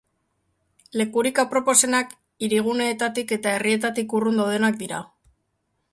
Lekurik aproposenak hiriguneetatik eta herrietatik urrun daudenak dira.